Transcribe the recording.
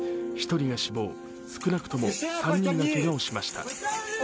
１人が死亡、少なくとも３人がけがをしました。